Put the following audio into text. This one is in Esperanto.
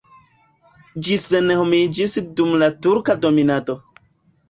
Ĝi senhomiĝis dum la turka dominado.